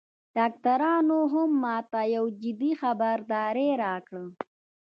ډاکترانو هم ماته یو جدي خبرداری راکړ